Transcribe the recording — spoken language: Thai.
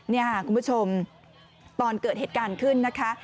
นี่ค่ะคุณผู้ชมตอนเกิดเหตุการณ์ขึ้นนะคะ